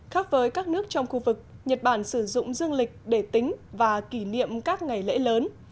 khác với các nước trong khu vực nhật bản sử dụng dương lịch để tính và kỷ niệm các ngày lễ lớn